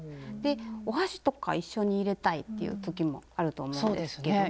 お箸とか一緒に入れたいっていう時もあると思うんですけども。